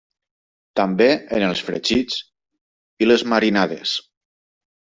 També en els fregits i les marinades.